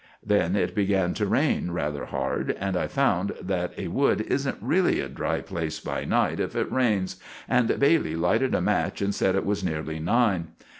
Then it began to rain rather hard, and I found that a wood isn't really a dry place by night if it rains, and Bailey lighted a match, and sed it was nearly nine.